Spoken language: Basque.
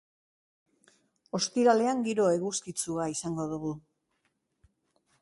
Ostiralean giro eguzkitsua izango dugu.